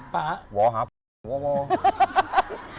หัวหาห้าหัวหัว